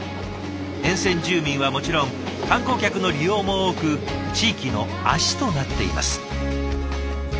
沿線住民はもちろん観光客の利用も多く地域の足となっています。